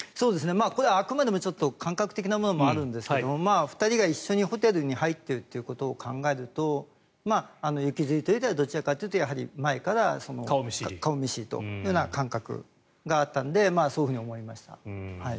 これはあくまでも感覚的なところもあるんですが２人が一緒にホテルに入っているということを考えると行きずりというよりはどちらかというと前からの顔見知りのような感覚があったのでそういうふうに思いました。